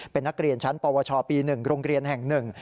เป็นนักเรียนชั้นปวชปี๑โรงเรียนแห่งหนึ่ง